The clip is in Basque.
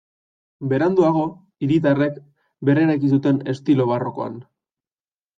Beranduago, hiritarrek berreraiki zuten estilo barrokoan.